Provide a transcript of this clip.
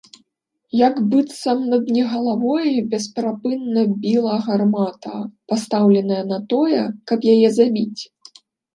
Як быццам над не галавой бесперапынна біла гармата, пастаўленая на тое, каб яе забіць.